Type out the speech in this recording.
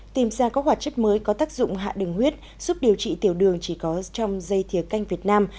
tìm ra các hoạt chất mới có tác dụng hạ đường huyết giúp điều trị tiểu đường chỉ có trong dây thiều canh việt nam